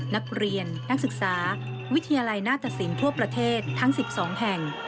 นักเรียนนักศึกษาวิทยาลัยหน้าตสินทั่วประเทศทั้ง๑๒แห่ง